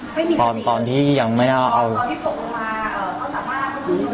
ไม่มีสติตอนตอนที่ยังไม่ได้เอาตอนที่โดดลงมาเอ่อเขาสามารถ